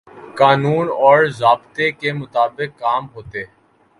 قانون اور ضابطے کے مطابق کام ہوتے۔